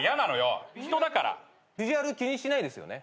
ビジュアル気にしないですよね？